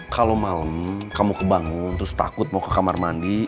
kalau malam kamu kebangun terus takut mau ke kamar mandi